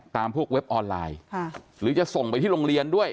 พวกเว็บออนไลน์หรือจะส่งไปที่โรงเรียนด้วย